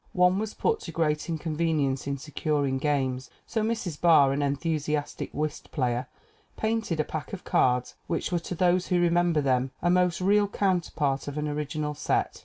One was put to great inconvenience in securing games. So Mrs. Barr, an enthusiastic whist player, painted a pack of cards, which were to those who remember them a most real counterpart of an original set.